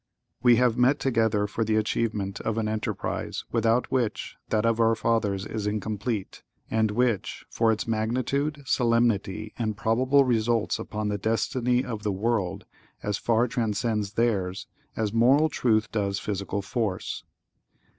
(¶ 2) We have met together for the achievement of an enterprise, without which, that of our fathers is incomplete, and which, for its magnitude, solemnity, and probable results upon the destiny of the world, as far transcends theirs, as moral truth does physical force.